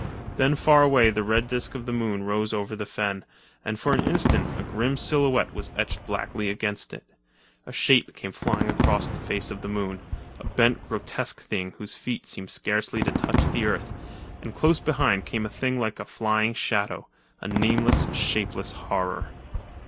Then far away the red disk of the moon rose over the fen, and for an instant a grim silhouette was etched blackly against it. A shape came flying across the face of the moon — a bent, grotesque thing whose feet seemed scarcely to touch the earth; and close behind came a thing like a flying shadow—a nameless, shapeless horror.